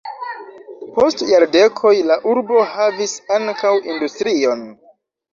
Post jardekoj la urbo havis ankaŭ industrion.